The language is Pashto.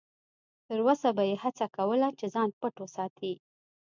تر وسه به یې هڅه کوله چې ځان پټ وساتي.